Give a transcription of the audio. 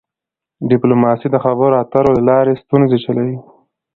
ډيپلوماسي د خبرو اترو له لاري ستونزي حلوي.